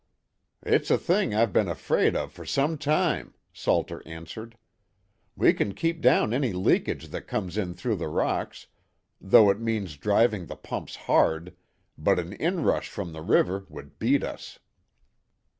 "It's a thing I've been afraid of for some time," Salter answered. "We can keep down any leakage that comes in through the rocks, though it means driving the pumps hard, but an inrush from the river would beat us."